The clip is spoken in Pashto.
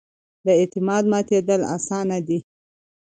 د اعتماد ماتېدل اسانه دي